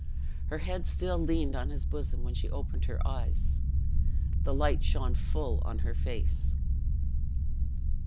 Her head still leaned on his bosom when she opened her eyes. The light shone full on her face.